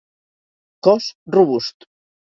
Cos robust.